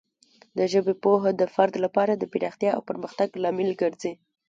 د ژبې پوهه د فرد لپاره د پراختیا او پرمختګ لامل ګرځي.